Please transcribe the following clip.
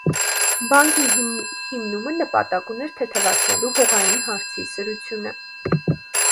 Բանկի հիմնումը նպատակ ուներ թեթեւացնելու հողային հարցի սրությունը։